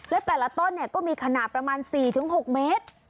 และแต่ละต้นก็มีขนาดประมาณ๔๖เมตร